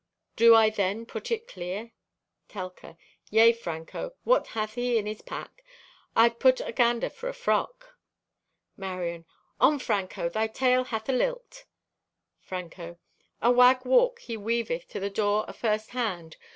Do I then put it clear?" (Telka) "Yea, Franco, what hath he in his pack? I'd put a gander for a frock!" (Marion) "On, Franco, thy tale hath a lilt." (Franco) "Awag walk he weaveth to the door afirst hand.